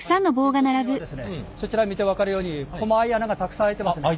金属にはですねそちら見て分かるようにこまい穴がたくさん開いてますね。